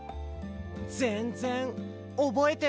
ぜんぜんおぼえてないです。